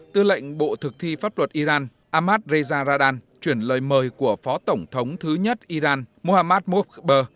tư lệnh bộ thực thi pháp luật iran ahmad reza radan chuyển lời mời của phó tổng thống thứ nhất iran mohammad mukber